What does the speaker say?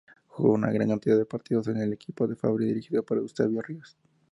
Jugó una gran cantidad de partidos en el equipo "fabril" dirigido por Eusebio Ríos.